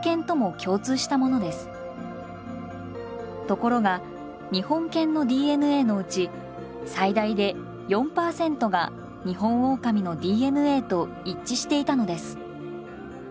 ところが日本犬のＤＮＡのうち最大で４％がニホンオオカミのＤＮＡと一致していたのです。